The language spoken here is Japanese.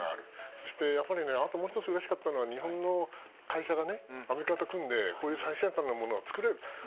そして、あともう１つうれしかったのは日本の会社がアメリカと組んで最先端のものを作れる。